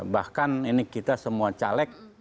bahkan ini kita semua caleg